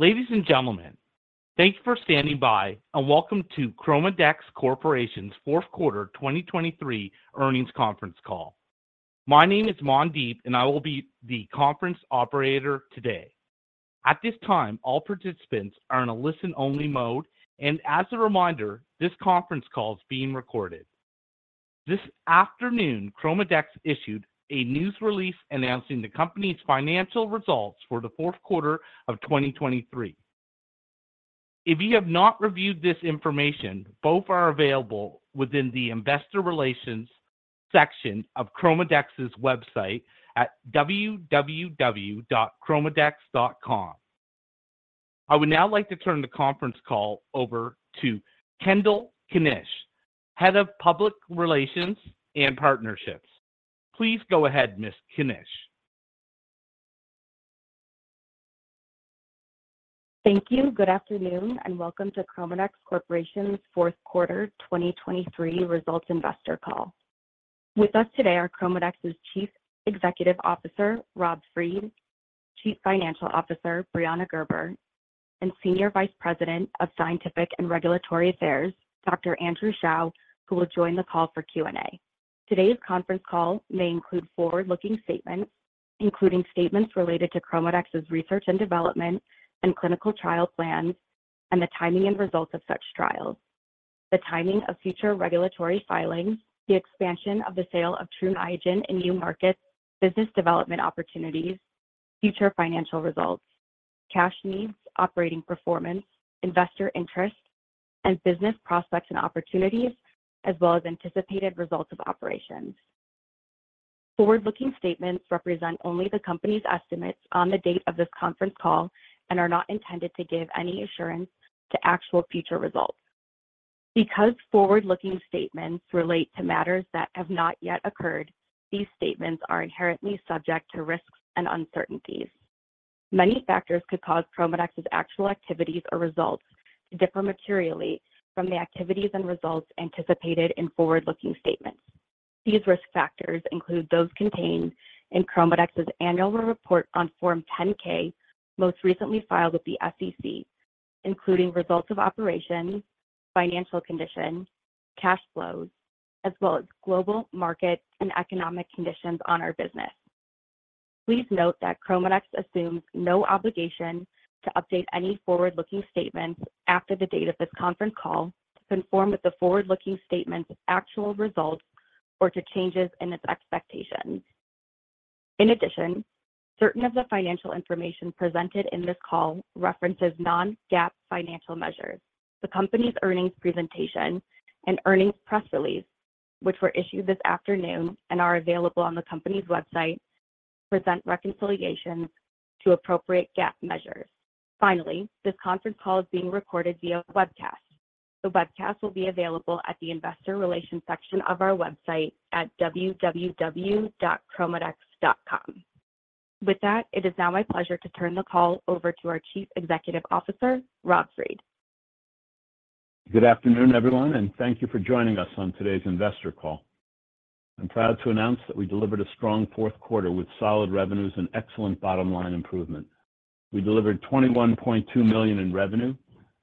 Ladies and gentlemen, thank you for standing by, and welcome to ChromaDex Corporation's fourth quarter 2023 earnings conference call. My name is Mandeep, and I will be the conference operator today. At this time, all participants are in a listen-only mode, and as a reminder, this conference call is being recorded. This afternoon, ChromaDex issued a news release announcing the company's financial results for the fourth quarter of 2023. If you have not reviewed this information, both are available within the investor relations section of ChromaDex's website at www.chromadex.com. I would now like to turn the conference call over to Kendall Knysch, Head of Public Relations and Partnerships. Please go ahead, Ms. Knysch. Thank you. Good afternoon, and welcome to ChromaDex Corporation's fourth quarter 2023 results investor call. With us today are ChromaDex's Chief Executive Officer, Rob Fried, Chief Financial Officer, Brianna Gerber, and Senior Vice President of Scientific and Regulatory Affairs, Dr. Andrew Shao, who will join the call for Q&A. Today's conference call may include forward-looking statements, including statements related to ChromaDex's research and development and clinical trial plans, and the timing and results of such trials, the timing of future regulatory filings, the expansion of the sale of Tru Niagen in new markets, business development opportunities, future financial results, cash needs, operating performance, investor interest, and business prospects and opportunities, as well as anticipated results of operations. Forward-looking statements represent only the company's estimates on the date of this conference call and are not intended to give any assurance to actual future results. Because forward-looking statements relate to matters that have not yet occurred, these statements are inherently subject to risks and uncertainties. Many factors could cause ChromaDex's actual activities or results to differ materially from the activities and results anticipated in forward-looking statements. These risk factors include those contained in ChromaDex's annual report on Form 10-K, most recently filed with the SEC, including results of operations, financial condition, cash flows, as well as global market and economic conditions on our business. Please note that ChromaDex assumes no obligation to update any forward-looking statements after the date of this conference call to conform with the forward-looking statements' actual results or to changes in its expectations. In addition, certain of the financial information presented in this call references non-GAAP financial measures. The company's earnings presentation and earnings press release, which were issued this afternoon and are available on the company's website, present reconciliations to appropriate GAAP measures. Finally, this conference call is being recorded via webcast. The webcast will be available at the investor relations section of our website at www.chromadex.com. With that, it is now my pleasure to turn the call over to our Chief Executive Officer, Rob Fried. Good afternoon, everyone, and thank you for joining us on today's investor call. I'm proud to announce that we delivered a strong fourth quarter with solid revenues and excellent bottom-line improvement. We delivered $21.2 million in revenue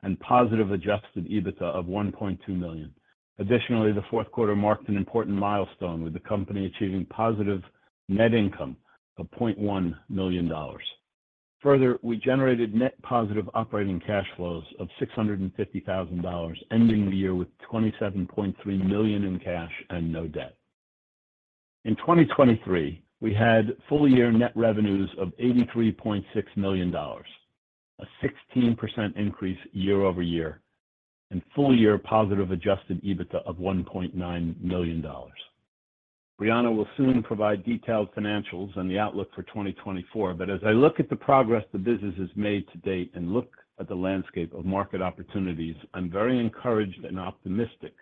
and positive adjusted EBITDA of $1.2 million. Additionally, the fourth quarter marked an important milestone, with the company achieving positive net income of $0.1 million. Further, we generated net positive operating cash flows of $650,000, ending the year with $27.3 million in cash and no debt. In 2023, we had full-year net revenues of $83.6 million, a 16% increase year-over-year, and full-year positive adjusted EBITDA of $1.9 million. Brianna will soon provide detailed financials and the outlook for 2024, but as I look at the progress the business has made to date and look at the landscape of market opportunities, I'm very encouraged and optimistic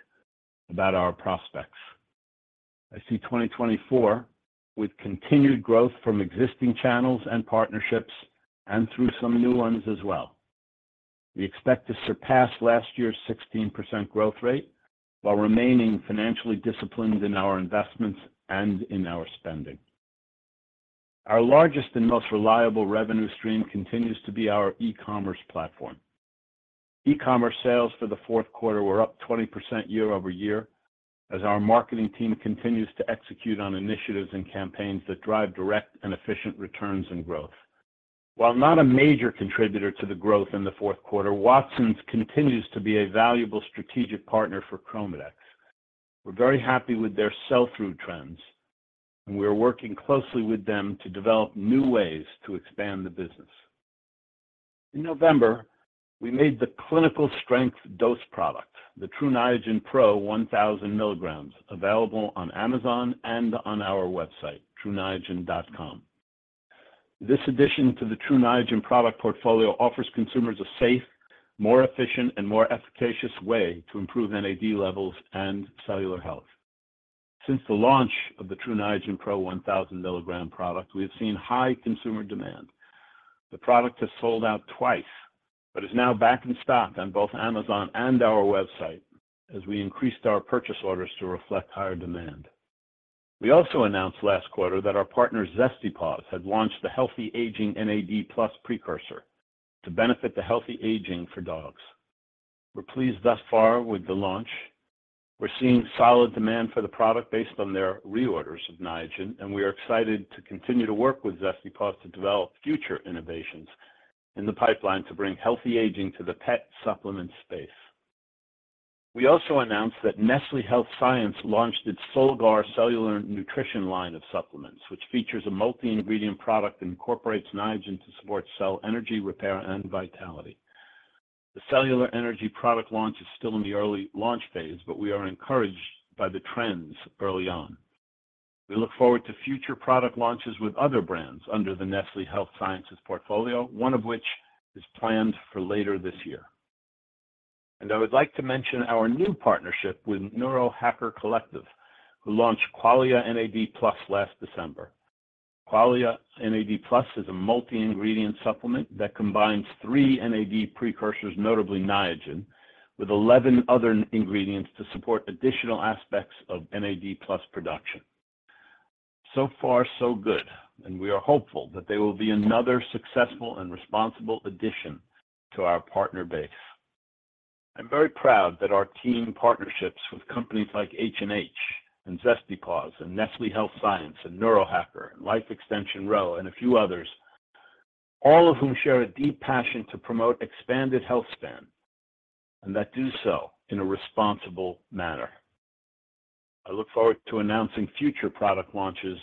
about our prospects. I see 2024 with continued growth from existing channels and partnerships and through some new ones as well. We expect to surpass last year's 16% growth rate while remaining financially disciplined in our investments and in our spending. Our largest and most reliable revenue stream continues to be our e-commerce platform. E-commerce sales for the fourth quarter were up 20% year-over-year as our marketing team continues to execute on initiatives and campaigns that drive direct and efficient returns and growth. While not a major contributor to the growth in the fourth quarter, Watsons continues to be a valuable strategic partner for ChromaDex. We're very happy with their sell-through trends, and we are working closely with them to develop new ways to expand the business. In November, we made the clinical strength dose product, the Tru Niagen Pro 1,000 mg, available on Amazon and on our website, truniagen.com. This addition to the Tru Niagen product portfolio offers consumers a safe, more efficient, and more efficacious way to improve NAD levels and cellular health. Since the launch of the Tru Niagen Pro 1,000 mg product, we have seen high consumer demand. The product has sold out twice, but is now back in stock on both Amazon and our website as we increased our purchase orders to reflect higher demand. We also announced last quarter that our partner, Zesty Paws, had launched the healthy aging NAD+ precursor to benefit the healthy aging for dogs. We're pleased thus far with the launch. We're seeing solid demand for the product based on their reorders of Niagen, and we are excited to continue to work with Zesty Paws to develop future innovations in the pipeline to bring healthy aging to the pet supplement space. We also announced that Nestlé Health Science launched its Solgar Cellular Nutrition line of supplements, which features a multi-ingredient product and incorporates Niagen to support cell energy, repair, and vitality. The cellular energy product launch is still in the early launch phase, but we are encouraged by the trends early on. We look forward to future product launches with other brands under the Nestlé Health Science portfolio, one of which is planned for later this year. I would like to mention our new partnership with Neurohacker Collective, who launched Qualia NAD+ last December. Qualia NAD+ is a multi-ingredient supplement that combines three NAD precursors, notably Niagen, with eleven other ingredients to support additional aspects of NAD+ production. So far, so good, and we are hopeful that they will be another successful and responsible addition to our partner base. I'm very proud that our team partnerships with companies like H&H, and Zesty Paws, and Nestlé Health Science, and Neurohacker, and Life Extension, Ro, and a few others, all of whom share a deep passion to promote expanded health span, and that do so in a responsible manner. I look forward to announcing future product launches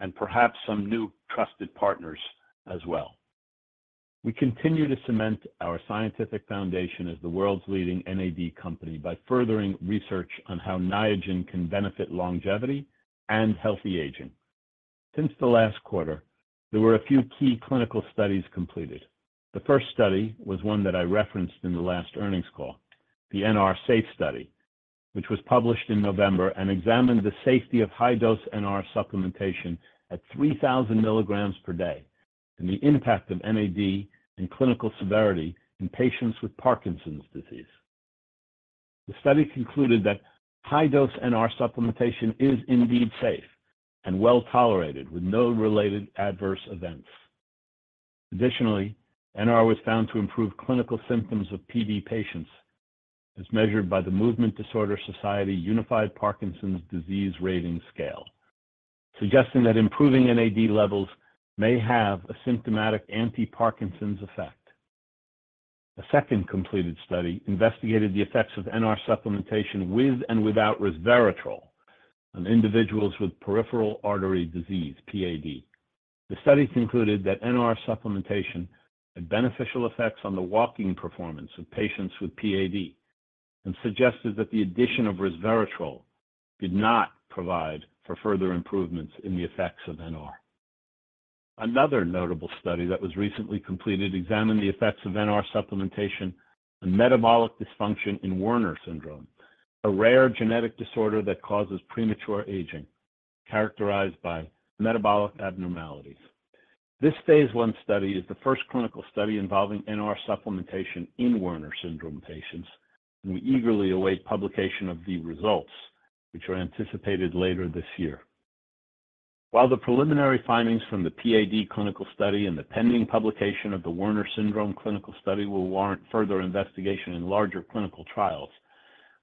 and perhaps some new trusted partners as well. We continue to cement our scientific foundation as the world's leading NAD company by furthering research on how Niagen can benefit longevity and healthy aging. Since the last quarter, there were a few key clinical studies completed. The first study was one that I referenced in the last earnings call, the NR SAFE study, which was published in November and examined the safety of high-dose NR supplementation at 3,000 mg per day, and the impact of NAD in clinical severity in patients with Parkinson's disease. The study concluded that high-dose NR supplementation is indeed safe and well-tolerated, with no related adverse events. Additionally, NR was found to improve clinical symptoms of PD patients, as measured by the Movement Disorder Society Unified Parkinson's disease Rating Scale, suggesting that improving NAD levels may have a symptomatic anti-Parkinson's effect. A second completed study investigated the effects of NR supplementation with and without resveratrol on individuals with peripheral artery disease, PAD. The study concluded that NR supplementation had beneficial effects on the walking performance of patients with PAD, and suggested that the addition of resveratrol did not provide for further improvements in the effects of NR. Another notable study that was recently completed examined the effects of NR supplementation on metabolic dysfunction in Werner syndrome, a rare genetic disorder that causes premature aging, characterized by metabolic abnormalities. This Phase 1 study is the first clinical study involving NR supplementation in Werner syndrome patients, and we eagerly await publication of the results, which are anticipated later this year. While the preliminary findings from the PAD clinical study and the pending publication of the Werner syndrome clinical study will warrant further investigation in larger clinical trials,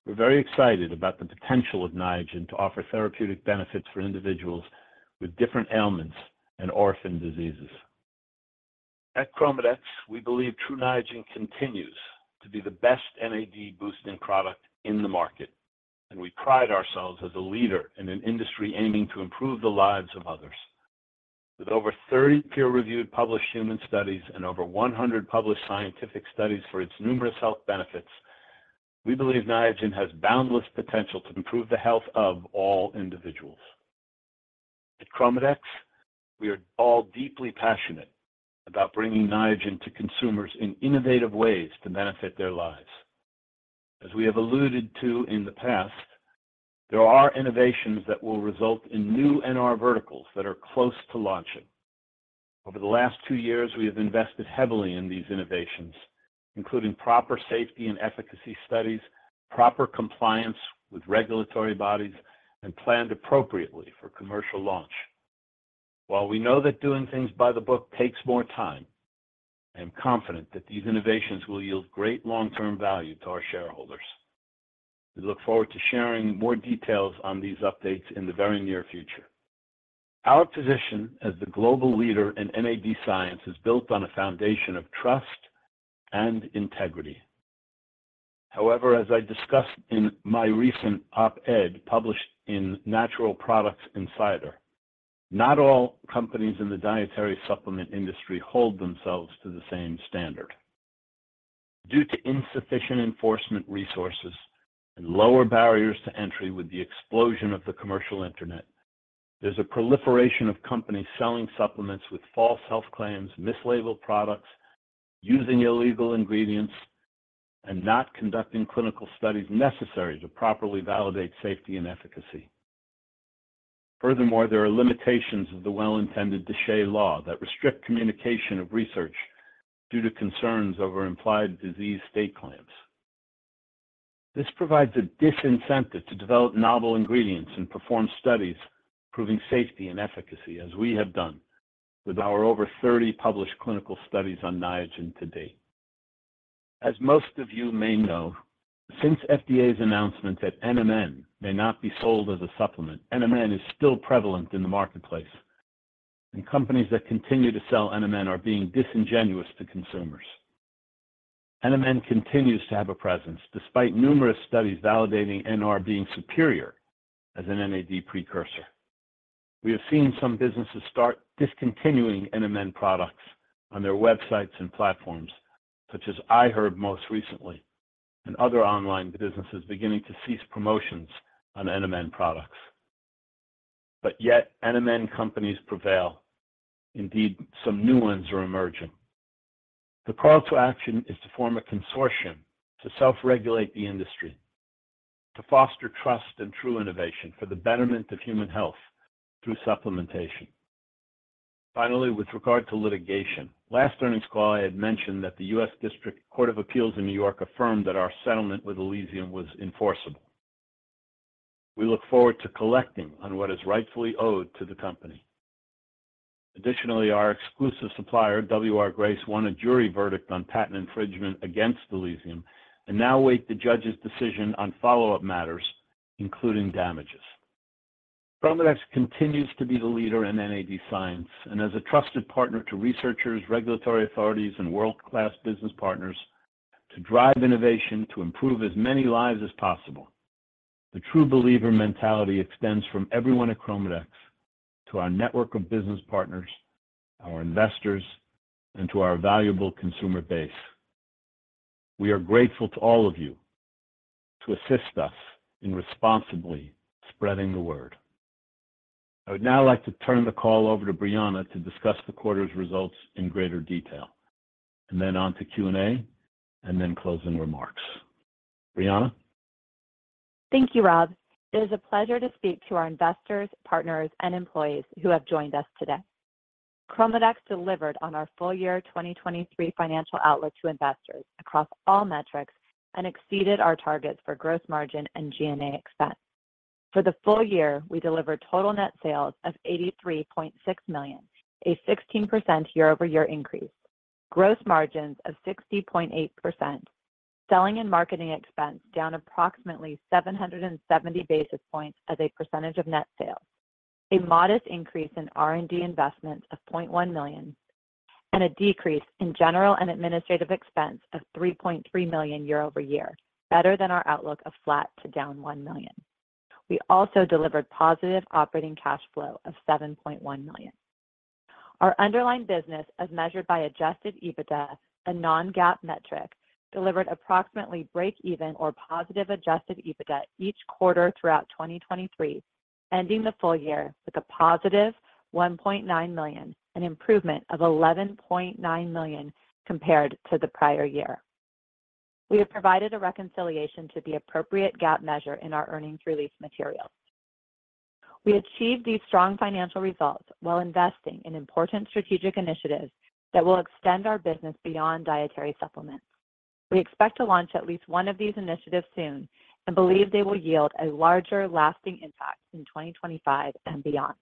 we're very excited about the potential of Niagen to offer therapeutic benefits for individuals with different ailments and orphan diseases. At ChromaDex, we believe Tru Niagen continues to be the best NAD-boosting product in the market, and we pride ourselves as a leader in an industry aiming to improve the lives of others. With over 30 peer-reviewed, published human studies and over 100 published scientific studies for its numerous health benefits, we believe Niagen has boundless potential to improve the health of all individuals. At ChromaDex, we are all deeply passionate about bringing Niagen to consumers in innovative ways to benefit their lives. As we have alluded to in the past, there are innovations that will result in new NR verticals that are close to launching. Over the last two years, we have invested heavily in these innovations, including proper safety and efficacy studies, proper compliance with regulatory bodies, and planned appropriately for commercial launch. While we know that doing things by the book takes more time, I'm confident that these innovations will yield great long-term value to our shareholders. We look forward to sharing more details on these updates in the very near future. Our position as the global leader in NAD science is built on a foundation of trust and integrity. However, as I discussed in my recent op-ed, published in Natural Products Insider, not all companies in the dietary supplement industry hold themselves to the same standard. Due to insufficient enforcement resources and lower barriers to entry with the explosion of the commercial internet, there's a proliferation of companies selling supplements with false health claims, mislabeled products, using illegal ingredients, and not conducting clinical studies necessary to properly validate safety and efficacy. Furthermore, there are limitations of the well-intended DSHEA that restrict communication of research due to concerns over implied disease state claims... This provides a disincentive to develop novel ingredients and perform studies proving safety and efficacy, as we have done with our over 30 published clinical studies on Niagen to date. As most of you may know, since FDA's announcement that NMN may not be sold as a supplement, NMN is still prevalent in the marketplace, and companies that continue to sell NMN are being disingenuous to consumers. NMN continues to have a presence despite numerous studies validating NR being superior as an NAD precursor. We have seen some businesses start discontinuing NMN products on their websites and platforms, such as I heard most recently, and other online businesses beginning to cease promotions on NMN products. But yet NMN companies prevail. Indeed, some new ones are emerging. The call to action is to form a consortium to self-regulate the industry, to foster trust and true innovation for the betterment of human health through supplementation. Finally, with regard to litigation, last earnings call, I had mentioned that the U.S. District Court of Appeals in New York affirmed that our settlement with Elysium was enforceable. We look forward to collecting on what is rightfully owed to the company. Additionally, our exclusive supplier, W.R. Grace, won a jury verdict on patent infringement against Elysium and now await the judge's decision on follow-up matters, including damages. ChromaDex continues to be the leader in NAD science and as a trusted partner to researchers, regulatory authorities, and world-class business partners to drive innovation to improve as many lives as possible. The true believer mentality extends from everyone at ChromaDex to our network of business partners, our investors, and to our valuable consumer base. We are grateful to all of you to assist us in responsibly spreading the word. I would now like to turn the call over to Brianna to discuss the quarter's results in greater detail, and then on to Q&A, and then closing remarks. Brianna? Thank you, Rob. It is a pleasure to speak to our investors, partners, and employees who have joined us today. ChromaDex delivered on our full year 2023 financial outlook to investors across all metrics and exceeded our targets for gross margin and G&A expense. For the full year, we delivered total net sales of $83.6 million, a 16% year-over-year increase, gross margins of 60.8%, selling and marketing expense down approximately 770 basis points as a percentage of net sales, a modest increase in R&D investment of $0.1 million, and a decrease in general and administrative expense of $3.3 million year-over-year, better than our outlook of flat to down $1 million. We also delivered positive operating cash flow of $7.1 million. Our underlying business, as measured by Adjusted EBITDA, a non-GAAP metric, delivered approximately breakeven or positive Adjusted EBITDA each quarter throughout 2023, ending the full year with a positive $1.9 million, an improvement of $11.9 million compared to the prior year. We have provided a reconciliation to the appropriate GAAP measure in our earnings release materials. We achieved these strong financial results while investing in important strategic initiatives that will extend our business beyond dietary supplements. We expect to launch at least one of these initiatives soon and believe they will yield a larger, lasting impact in 2025 and beyond.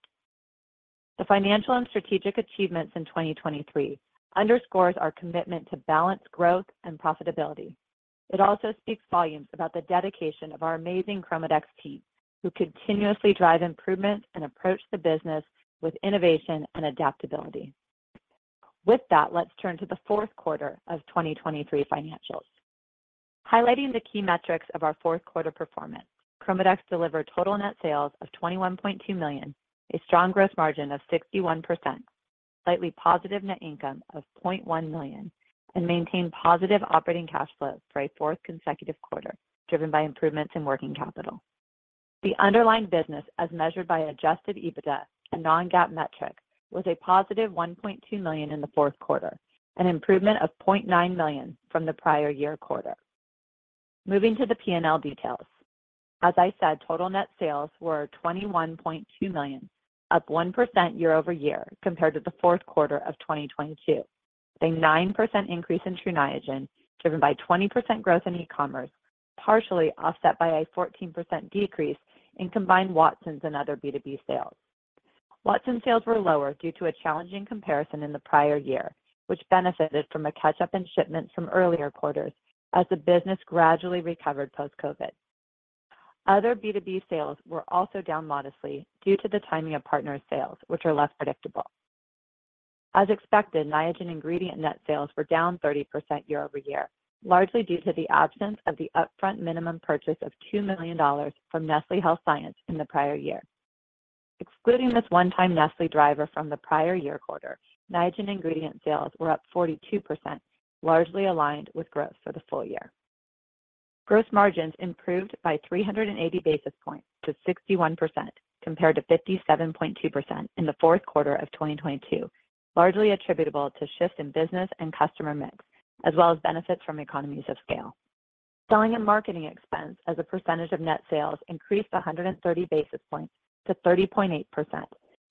The financial and strategic achievements in 2023 underscores our commitment to balanced growth and profitability. It also speaks volumes about the dedication of our amazing ChromaDex team, who continuously drive improvement and approach the business with innovation and adaptability. With that, let's turn to the fourth quarter of 2023 financials. Highlighting the key metrics of our fourth quarter performance, ChromaDex delivered total net sales of $21.2 million, a strong gross margin of 61%, slightly positive net income of $0.1 million, and maintained positive operating cash flow for a fourth consecutive quarter, driven by improvements in working capital. The underlying business, as measured by Adjusted EBITDA, a non-GAAP metric, was a positive $1.2 million in the fourth quarter, an improvement of $0.9 million from the prior year quarter. Moving to the P&L details. As I said, total net sales were $21.2 million, up 1% year-over-year compared to the fourth quarter of 2022, a 9% increase in Tru Niagen, driven by 20% growth in e-commerce, partially offset by a 14% decrease in combined Watsons and other B2B sales. Watsons sales were lower due to a challenging comparison in the prior year, which benefited from a catch-up in shipments from earlier quarters as the business gradually recovered post-COVID. Other B2B sales were also down modestly due to the timing of partner sales, which are less predictable. As expected, Niagen ingredient net sales were down 30% year-over-year, largely due to the absence of the upfront minimum purchase of $2 million from Nestlé Health Science in the prior year. Excluding this one-time Nestlé driver from the prior year quarter, Niagen ingredient sales were up 42%, largely aligned with growth for the full year. Gross margins improved by 380 basis points to 61%, compared to 57.2% in the fourth quarter of 2022, largely attributable to shift in business and customer mix, as well as benefits from economies of scale. Selling and marketing expense as a percentage of net sales increased 130 basis points to 30.8%...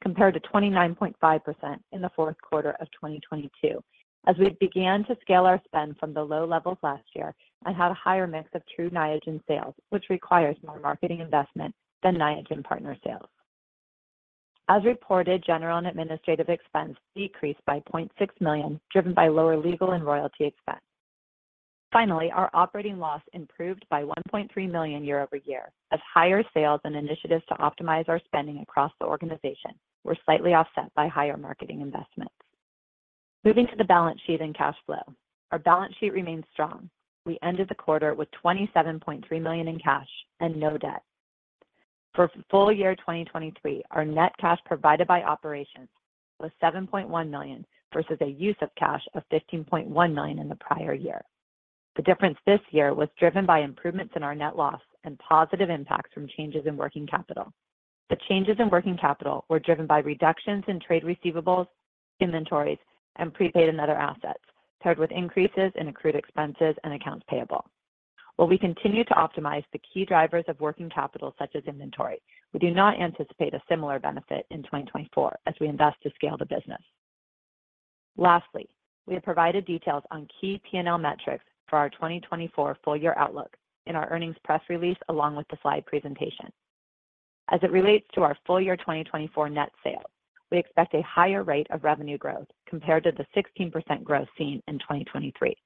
compared to 29.5% in the fourth quarter of 2022, as we began to scale our spend from the low levels last year and had a higher mix of Tru Niagen sales, which requires more marketing investment than Niagen partner sales. As reported, general and administrative expense decreased by $0.6 million, driven by lower legal and royalty expense. Finally, our operating loss improved by $1.3 million year-over-year, as higher sales and initiatives to optimize our spending across the organization were slightly offset by higher marketing investments. Moving to the balance sheet and cash flow. Our balance sheet remains strong. We ended the quarter with $27.3 million in cash and no debt. For full year 2023, our net cash provided by operations was $7.1 million, versus a use of cash of $15.1 million in the prior year. The difference this year was driven by improvements in our net loss and positive impacts from changes in working capital. The changes in working capital were driven by reductions in trade receivables, inventories, and prepaid and other assets, paired with increases in accrued expenses and accounts payable. While we continue to optimize the key drivers of working capital, such as inventory, we do not anticipate a similar benefit in 2024 as we invest to scale the business. Lastly, we have provided details on key P&L metrics for our 2024 full year outlook in our earnings press release, along with the slide presentation. As it relates to our full year 2024 net sales, we expect a higher rate of revenue growth compared to the 16% growth seen in 2023.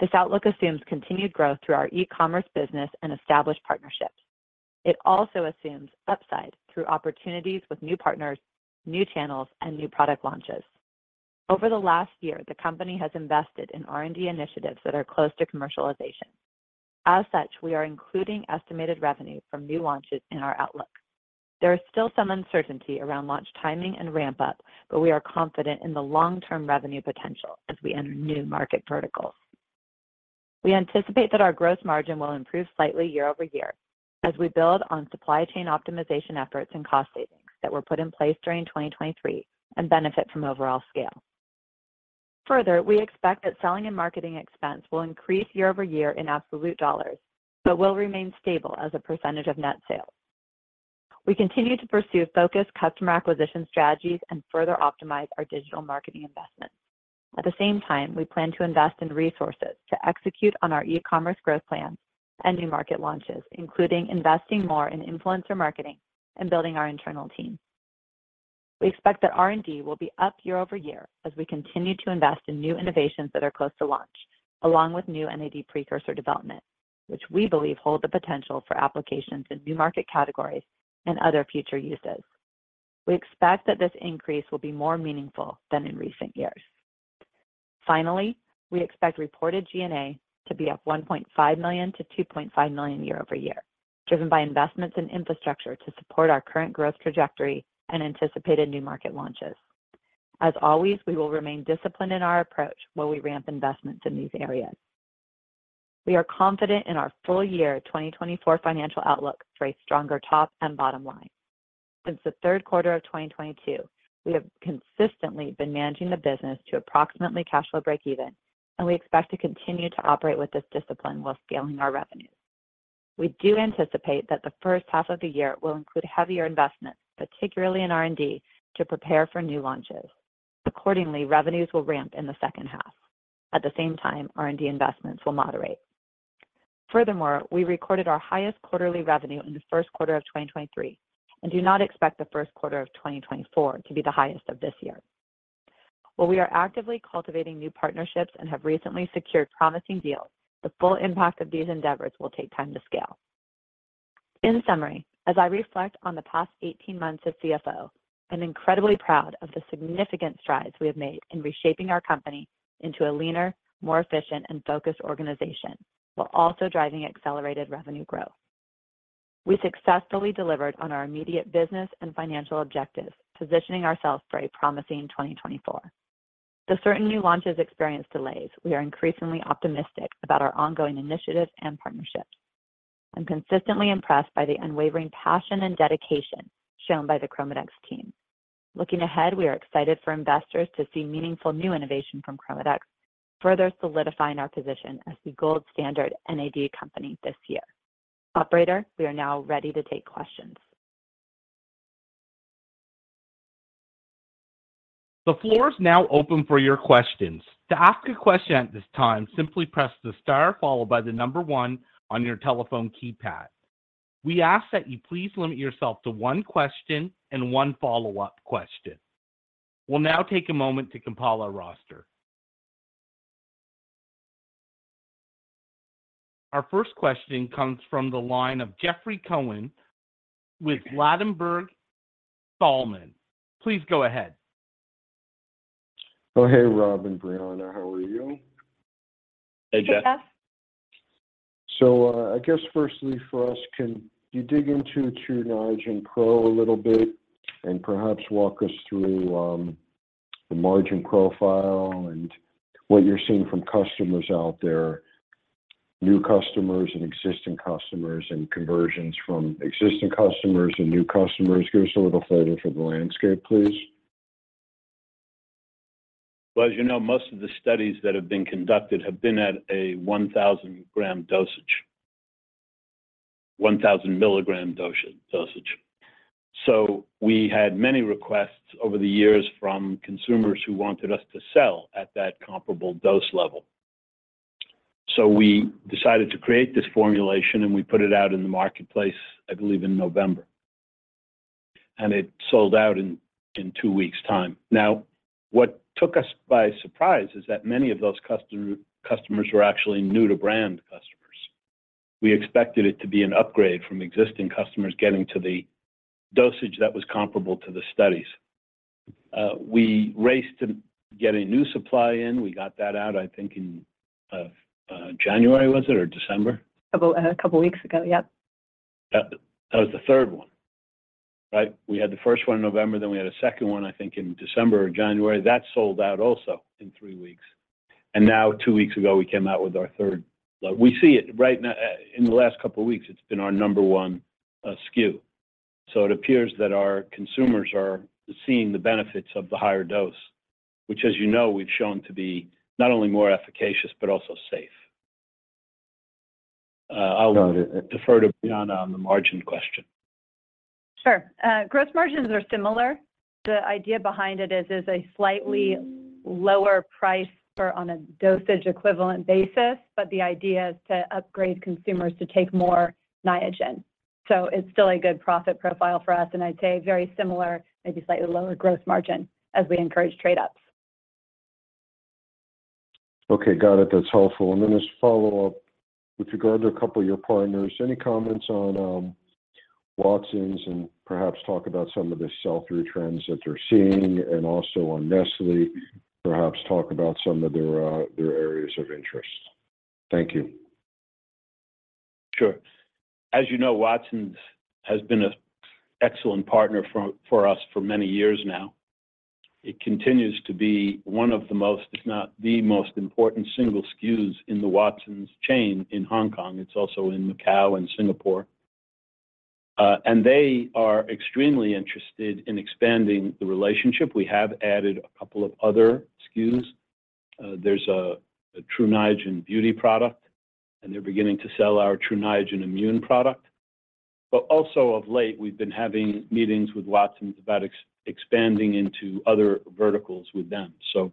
This outlook assumes continued growth through our e-commerce business and established partnerships. It also assumes upside through opportunities with new partners, new channels, and new product launches. Over the last year, the company has invested in R&D initiatives that are close to commercialization. As such, we are including estimated revenue from new launches in our outlook. There is still some uncertainty around launch timing and ramp-up, but we are confident in the long-term revenue potential as we enter new market verticals. We anticipate that our gross margin will improve slightly year-over-year as we build on supply chain optimization efforts and cost savings that were put in place during 2023 and benefit from overall scale. Further, we expect that selling and marketing expense will increase year-over-year in absolute dollars, but will remain stable as a percentage of net sales. We continue to pursue focused customer acquisition strategies and further optimize our digital marketing investments. At the same time, we plan to invest in resources to execute on our e-commerce growth plans and new market launches, including investing more in influencer marketing and building our internal team. We expect that R&D will be up year-over-year as we continue to invest in new innovations that are close to launch, along with new NAD precursor development, which we believe hold the potential for applications in new market categories and other future uses. We expect that this increase will be more meaningful than in recent years. Finally, we expect reported G&A to be up $1.5 million to $2.5 million year-over-year, driven by investments in infrastructure to support our current growth trajectory and anticipated new market launches. As always, we will remain disciplined in our approach while we ramp investments in these areas. We are confident in our full year 2024 financial outlook for a stronger top and bottom line. Since the third quarter of 2022, we have consistently been managing the business to approximately cash flow breakeven, and we expect to continue to operate with this discipline while scaling our revenues. We do anticipate that the first half of the year will include heavier investments, particularly in R&D, to prepare for new launches. Accordingly, revenues will ramp in the second half. At the same time, R&D investments will moderate. Furthermore, we recorded our highest quarterly revenue in the first quarter of 2023 and do not expect the first quarter of 2024 to be the highest of this year. While we are actively cultivating new partnerships and have recently secured promising deals, the full impact of these endeavors will take time to scale. In summary, as I reflect on the past 18 months as CFO, I'm incredibly proud of the significant strides we have made in reshaping our company into a leaner, more efficient, and focused organization, while also driving accelerated revenue growth. We successfully delivered on our immediate business and financial objectives, positioning ourselves for a promising 2024. The certain new launches experience delays, we are increasingly optimistic about our ongoing initiatives and partnerships. I'm consistently impressed by the unwavering passion and dedication shown by the ChromaDex team. Looking ahead, we are excited for investors to see meaningful new innovation from ChromaDex, further solidifying our position as the gold standard NAD company this year. Operator, we are now ready to take questions. The floor is now open for your questions. To ask a question at this time, simply press the star followed by the number one on your telephone keypad. We ask that you please limit yourself to one question and one follow-up question. We'll now take a moment to compile our roster. Our first question comes from the line of Jeffrey Cohen with Ladenburg Thalmann. Please go ahead. Oh, hey, Rob and Brianna, how are you? Hey, Jeff. Hey, Jeff. So, I guess firstly for us, can you dig into Niagen Pro a little bit and perhaps walk us through the margin profile and what you're seeing from customers out there, new customers and existing customers, and conversions from existing customers and new customers? Give us a little flavor for the landscape, please.... Well, as you know, most of the studies that have been conducted have been at a 1,000 g dosage, 1,000 mg dosage, dosage. So we had many requests over the years from consumers who wanted us to sell at that comparable dose level. So we decided to create this formulation, and we put it out in the marketplace, I believe, in November, and it sold out in two weeks time. Now, what took us by surprise is that many of those customers were actually new to brand customers. We expected it to be an upgrade from existing customers getting to the dosage that was comparable to the studies. We raced to get a new supply in. We got that out, I think, in January, was it, or December? A couple weeks ago. Yep. That was the third one, right? We had the first one in November, then we had a second one, I think in December or January. That sold out also in three weeks, and now two weeks ago, we came out with our third. We see it right now, in the last couple of weeks, it's been our number one SKU. So it appears that our consumers are seeing the benefits of the higher dose, which, as you know, we've shown to be not only more efficacious, but also safe. I'll defer to Brianna on the margin question. Sure. Gross margins are similar. The idea behind it is a slightly lower price for on a dosage equivalent basis, but the idea is to upgrade consumers to take more Niagen. So it's still a good profit profile for us, and I'd say very similar, maybe slightly lower gross margin as we encourage trade-ups. Okay, got it. That's helpful. And then just follow up with regard to a couple of your partners, any comments on Watsons and perhaps talk about some of the sell-through trends that they're seeing, and also on Nestlé, perhaps talk about some of their their areas of interest? Thank you. Sure. As you know, Watsons has been an excellent partner for us for many years now. It continues to be one of the most, if not the most important single SKUs in the Watsons chain in Hong Kong. It's also in Macau and Singapore. And they are extremely interested in expanding the relationship. We have added a couple of other SKUs. There's a Tru Niagen Beauty product, and they're beginning to sell our Tru Niagen Immune product. But also of late, we've been having meetings with Watsons about expanding into other verticals with them. So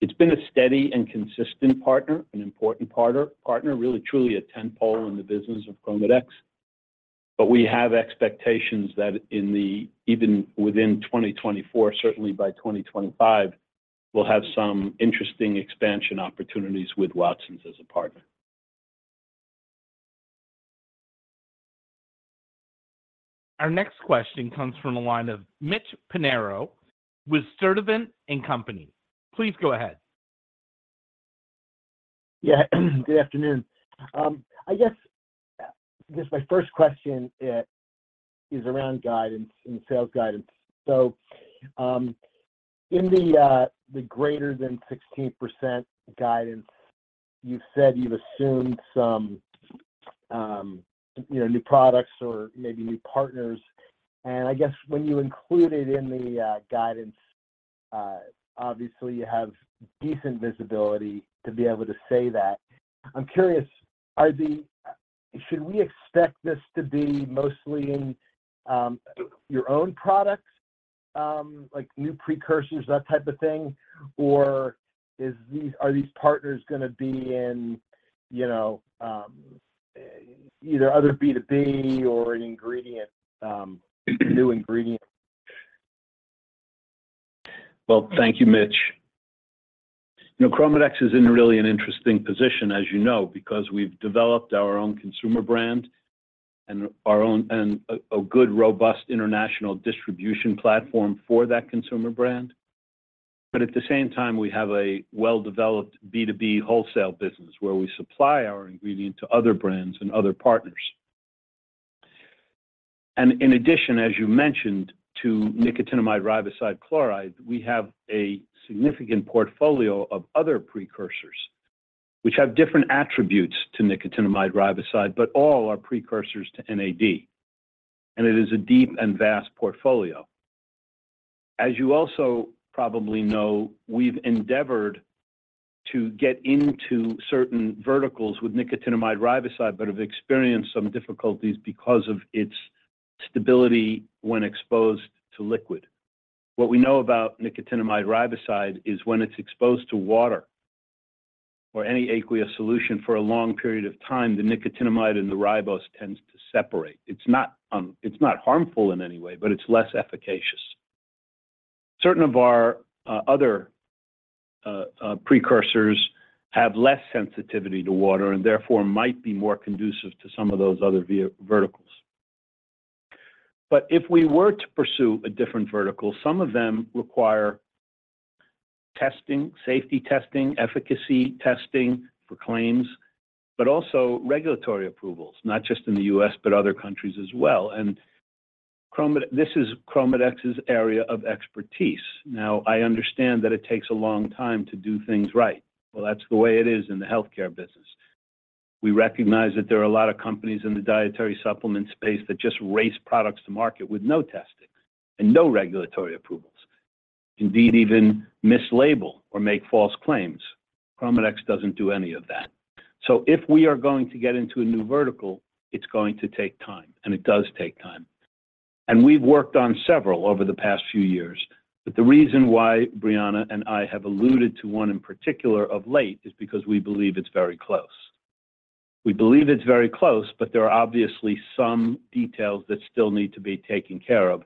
it's been a steady and consistent partner, an important partner, partner, really, truly a tentpole in the business of ChromaDex. But we have expectations that in the, even within 2024, certainly by 2025, we'll have some interesting expansion opportunities with Watsons as a partner. Our next question comes from the line of Mitch Pinheiro with Stifel, Nicolaus & Company. Please go ahead. Yeah, good afternoon. I guess my first question is around guidance and sales guidance. So, in the greater than 16% guidance, you've said you've assumed some, you know, new products or maybe new partners, and I guess when you include it in the guidance, obviously you have decent visibility to be able to say that. I'm curious, are the—Should we expect this to be mostly in your own products, like new precursors, that type of thing, or are these partners going to be in, you know, either other B2B or an ingredient, new ingredient? Well, thank you, Mitch. You know, ChromaDex is in really an interesting position, as you know, because we've developed our own consumer brand and a good, robust international distribution platform for that consumer brand. But at the same time, we have a well-developed B2B wholesale business where we supply our ingredient to other brands and other partners. And in addition, as you mentioned, to nicotinamide riboside chloride, we have a significant portfolio of other precursors which have different attributes to nicotinamide riboside, but all are precursors to NAD, and it is a deep and vast portfolio. As you also probably know, we've endeavored to get into certain verticals with nicotinamide riboside, but have experienced some difficulties because of its stability when exposed to liquid. What we know about nicotinamide riboside is when it's exposed to water or any aqueous solution for a long period of time, the nicotinamide and the ribose tends to separate. It's not on, it's not harmful in any way, but it's less efficacious. Certain of our other precursors have less sensitivity to water and therefore might be more conducive to some of those other verticals. But if we were to pursue a different vertical, some of them require testing, safety testing, efficacy testing for claims, but also regulatory approvals, not just in the U.S., but other countries as well. And this is ChromaDex's area of expertise. Now, I understand that it takes a long time to do things right. Well, that's the way it is in the healthcare business.... We recognize that there are a lot of companies in the dietary supplement space that just race products to market with no testing and no regulatory approvals. Indeed, even mislabel or make false claims. ChromaDex doesn't do any of that. So if we are going to get into a new vertical, it's going to take time, and it does take time. And we've worked on several over the past few years, but the reason why Brianna and I have alluded to one in particular of late is because we believe it's very close. We believe it's very close, but there are obviously some details that still need to be taken care of.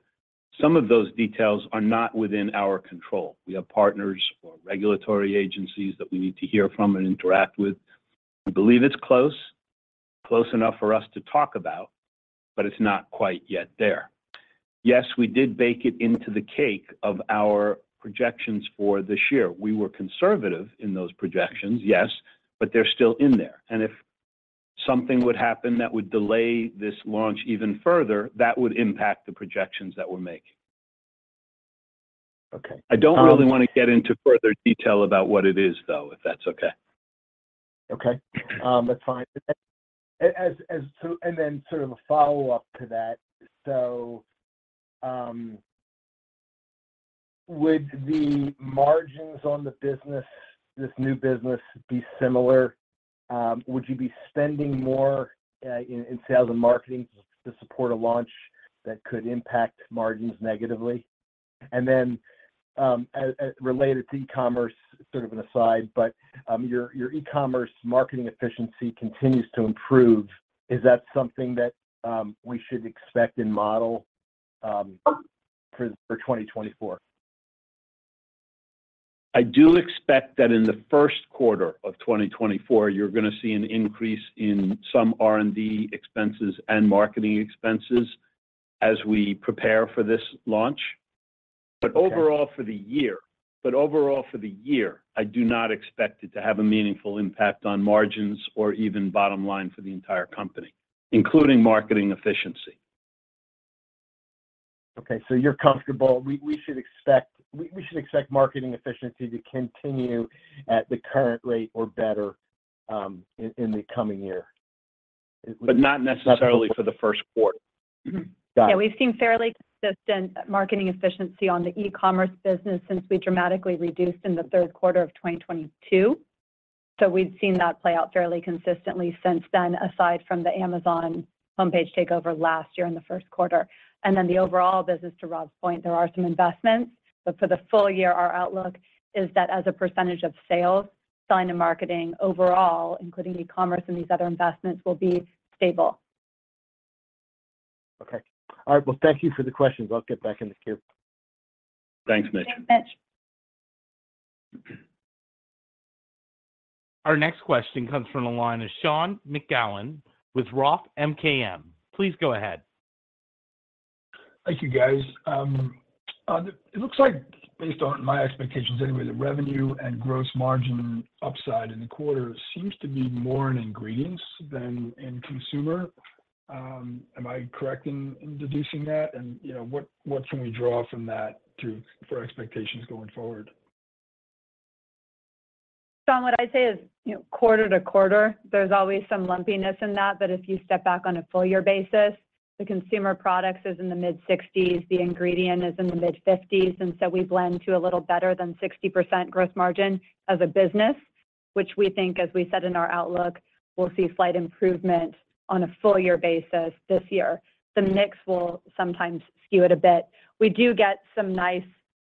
Some of those details are not within our control. We have partners or regulatory agencies that we need to hear from and interact with. We believe it's close, close enough for us to talk about, but it's not quite yet there. Yes, we did bake it into the cake of our projections for this year. We were conservative in those projections, yes, but they're still in there. If something would happen that would delay this launch even further, that would impact the projections that we're making. Okay, um- I don't really want to get into further detail about what it is, though, if that's okay. Okay. That's fine. As to and then sort of a follow-up to that: so, would the margins on the business, this new business, be similar? Would you be spending more in sales and marketing to support a launch that could impact margins negatively? And then, as related to e-commerce, sort of an aside, but your e-commerce marketing efficiency continues to improve. Is that something that we should expect and model for 2024? I do expect that in the first quarter of 2024, you're gonna see an increase in some R&D expenses and marketing expenses as we prepare for this launch. Okay. But overall for the year, I do not expect it to have a meaningful impact on margins or even bottom line for the entire company, including marketing efficiency. Okay, so you're comfortable. We should expect marketing efficiency to continue at the current rate or better, in the coming year? But not necessarily for the first quarter. Got it. Yeah, we've seen fairly consistent marketing efficiency on the e-commerce business since we dramatically reduced in the third quarter of 2022. So we've seen that play out fairly consistently since then, aside from the Amazon homepage takeover last year in the first quarter. And then the overall business, to Rob's point, there are some investments, but for the full year, our outlook is that as a percentage of sales, selling and marketing overall, including e-commerce and these other investments, will be stable. Okay. All right. Well, thank you for the questions. I'll get back in the queue. Thanks, Mitch. Thanks, Mitch. Our next question comes from the line of Sean McGowan with Roth MKM. Please go ahead. Thank you, guys. It looks like based on my expectations anyway, the revenue and gross margin upside in the quarter seems to be more in ingredients than in consumer. Am I correct in deducing that? And, you know, what can we draw from that to... for expectations going forward? Sean, what I'd say is, you know, quarter to quarter, there's always some lumpiness in that, but if you step back on a full year basis, the consumer products is in the mid-60s, the ingredient is in the mid-50s, and so we blend to a little better than 60% gross margin as a business, which we think, as we said in our outlook, we'll see slight improvement on a full year basis this year. The mix will sometimes skew it a bit. We do get some nice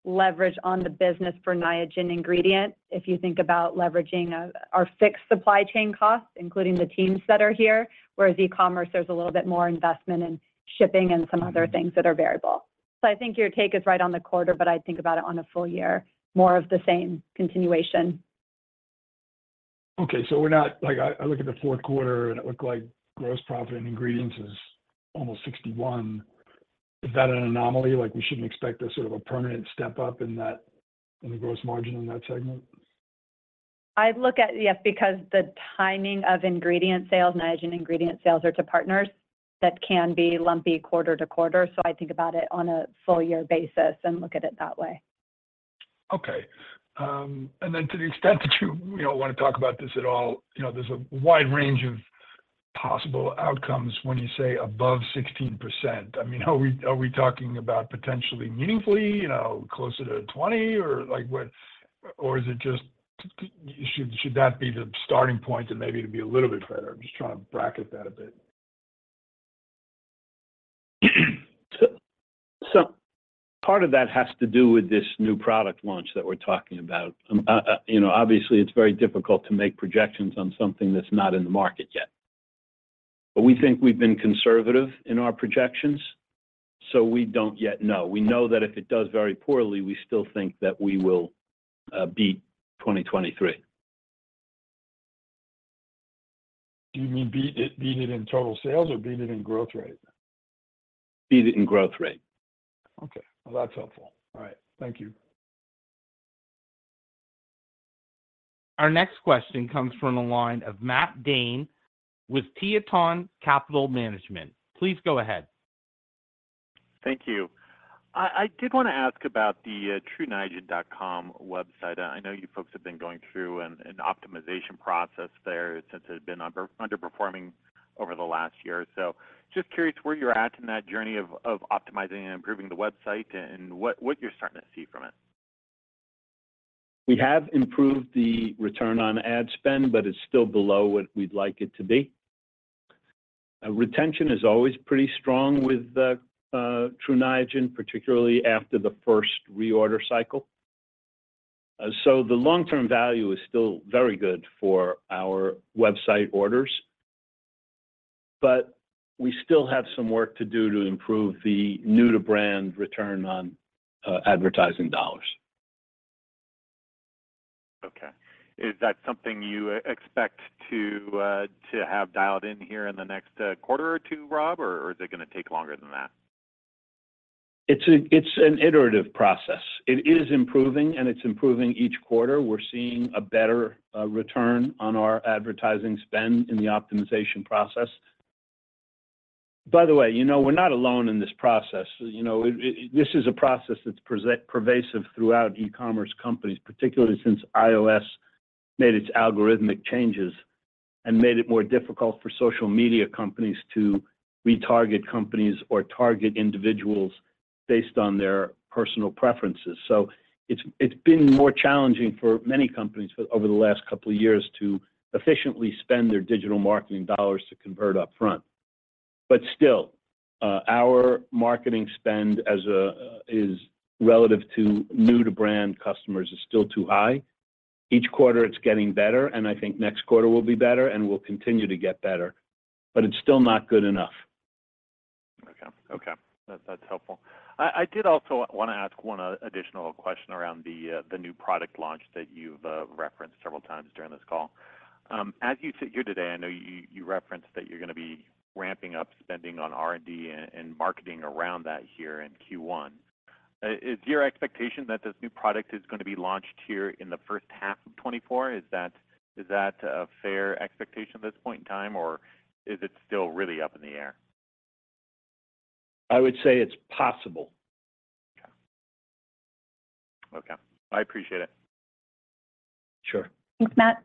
leverage on the business for Niagen ingredient. If you think about leveraging our fixed supply chain costs, including the teams that are here, whereas e-commerce, there's a little bit more investment in shipping and some other things that are variable. I think your take is right on the quarter, but I'd think about it on a full year, more of the same continuation. Okay. So we're not like I look at the fourth quarter, and it looked like gross profit and ingredients is almost 61. Is that an anomaly? Like, we shouldn't expect a sort of a permanent step up in that, in the gross margin in that segment? I'd look at... Yes, because the timing of ingredient sales, Niagen ingredient sales, are to partners. That can be lumpy quarter to quarter, so I think about it on a full year basis and look at it that way. Okay. And then to the extent that you, you know, want to talk about this at all, you know, there's a wide range of possible outcomes when you say above 16%. I mean, are we, are we talking about potentially meaningfully, you know, closer to 20, or like, what or is it just, should that be the starting point and maybe to be a little bit better? I'm just trying to bracket that a bit. So part of that has to do with this new product launch that we're talking about. You know, obviously, it's very difficult to make projections on something that's not in the market yet. But we think we've been conservative in our projections, so we don't yet know. We know that if it does very poorly, we still think that we will beat 2023. Do you mean beat it, beat it in total sales or beat it in growth rate? Beat it in growth rate. Okay. Well, that's helpful. All right. Thank you. Our next question comes from the line of Matt Dhane with Tieton Capital Management. Please go ahead.... Thank you. I did wanna ask about the TruNiagen.com website. I know you folks have been going through an optimization process there since it had been underperforming over the last year. So just curious where you're at in that journey of optimizing and improving the website and what you're starting to see from it? We have improved the return on ad spend, but it's still below what we'd like it to be. Retention is always pretty strong with Tru Niagen, particularly after the first reorder cycle. So the long-term value is still very good for our website orders, but we still have some work to do to improve the new-to-brand return on advertising dollars. Okay. Is that something you expect to have dialed in here in the next quarter or two, Rob, or is it gonna take longer than that? It's an iterative process. It is improving, and it's improving each quarter. We're seeing a better return on our advertising spend in the optimization process. By the way, you know, we're not alone in this process. You know, it. This is a process that's pervasive throughout e-commerce companies, particularly since iOS made its algorithmic changes and made it more difficult for social media companies to retarget companies or target individuals based on their personal preferences. So it's been more challenging for many companies for over the last couple of years to efficiently spend their digital marketing dollars to convert upfront. But still, our marketing spend as a, is relative to new-to-brand customers is still too high. Each quarter, it's getting better, and I think next quarter will be better, and we'll continue to get better, but it's still not good enough. Okay. Okay, that's, that's helpful. I, I did also wanna ask one additional question around the new product launch that you've referenced several times during this call. As you sit here today, I know you, you referenced that you're gonna be ramping up spending on R&D and marketing around that here in Q1. Is your expectation that this new product is gonna be launched here in the first half of 2024? Is that, is that a fair expectation at this point in time, or is it still really up in the air? I would say it's possible. Okay. Okay, I appreciate it. Sure. Thanks, Matt.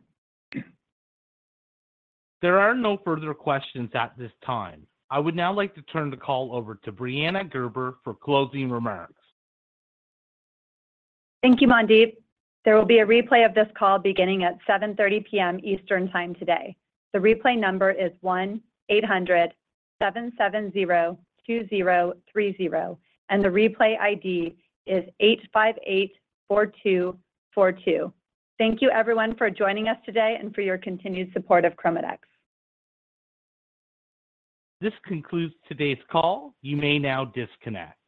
There are no further questions at this time. I would now like to turn the call over to Brianna Gerber for closing remarks. Thank you, Mandeep. There will be a replay of this call beginning at 7:30 P.M. Eastern Time today. The replay number is 1-800-770-2030, and the replay ID is 858-4242. Thank you, everyone, for joining us today and for your continued support of ChromaDex. This concludes today's call. You may now disconnect.